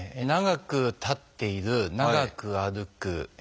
長く立っている長く歩く。